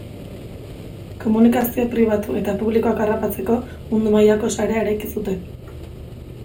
Komunikazio pribatu eta publikoak harrapatzeko mundu mailako sarea eraiki zuten.